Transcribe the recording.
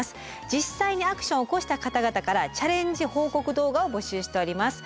実際にアクションを起こした方々からチャレンジ報告動画を募集しております。